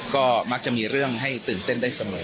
ก็มักจะมีเรื่องให้ตื่นเต้นได้เสมอ